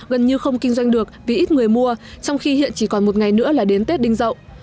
gần như không kinh doanh được vì ít người mua trong khi hiện chỉ còn một ngày nữa là đến tết đinh rậu